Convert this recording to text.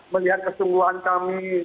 melihat kesungguhan kami